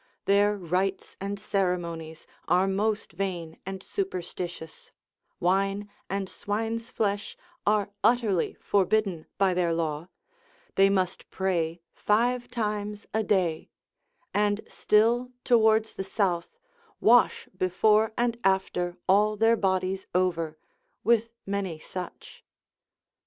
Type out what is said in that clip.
Their rites and ceremonies are most vain and superstitious, wine and swine's flesh are utterly forbidden by their law, they must pray five times a day; and still towards the south, wash before and after all their bodies over, with many such.